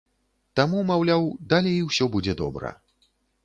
Таму, маўляў, далей усё будзе добра.